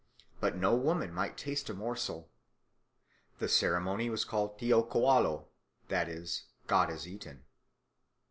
But no woman might taste a morsel. The ceremony was called teoqualo, that is, "god is eaten."